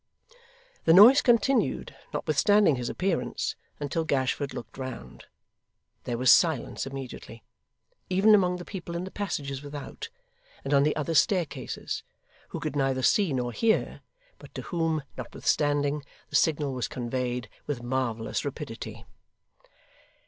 The noise continued, notwithstanding his appearance, until Gashford looked round. There was silence immediately even among the people in the passages without, and on the other staircases, who could neither see nor hear, but to whom, notwithstanding, the signal was conveyed with marvellous rapidity.